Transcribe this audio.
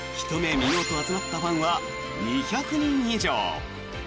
見ようと集まったファンは２００人以上。